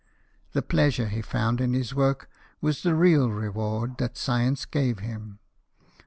The pleasure he found in his work was the real reward that science gave him.